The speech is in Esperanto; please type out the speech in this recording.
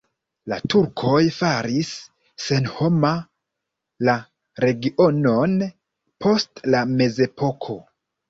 La turkoj faris senhoma la regionon post la mezepoko.